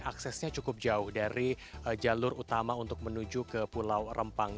aksesnya cukup jauh dari jalur utama untuk menuju ke pulau rempang